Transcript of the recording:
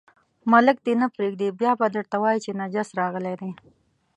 ملک دې نه پرېږدي، بیا به درته وایي چې نجس راغلی دی.